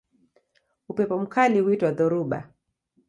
Upepo mkali huitwa dhoruba.